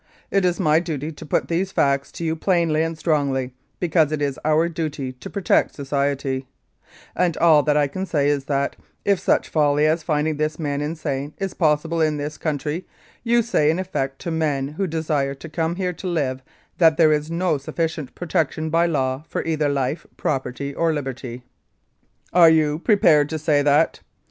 It is my duty to put these facts to you plainly and strongly, because it is our duty to protect society, and all that I can say is that, if such folly as finding this man insane is possible in this country, you say in effect to men who desire to come here to live that there is no sufficient protection by law for either life, property or liberty. "Are you prepared to say that?